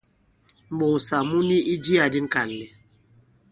M̀ɓoŋsà mu ni i jiyā di ŋ̀kànlɛ̀.